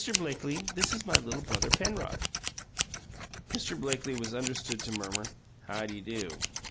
Blakely, this is my little brother Penrod." Mr. Blakely was understood to murmur, "How d'ye do?"